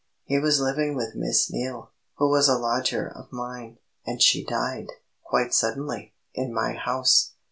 "He was living with Miss Neale, who was a lodger of mine, and she died, quite suddenly, in my house.